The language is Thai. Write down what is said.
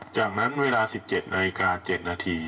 จากนั้นเวลา๑๗นาฬิกา๗นาที